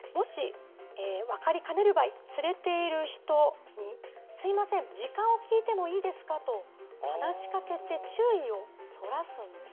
もし分かりかねる場合、連れている人に、すみません、時間を聞いてもいいですかと、話しかけて、注意をそらすんですね。